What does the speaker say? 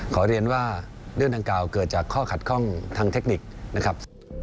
ขอเรียนว่าเรื่องดังกล่าวเกิดจากข้อขัดข้องทางเทคนิคนะครับ